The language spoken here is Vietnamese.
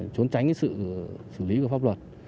trốn tránh sự xử lý của pháp luật